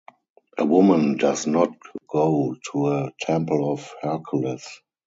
A woman does not go to a temple of Hercules.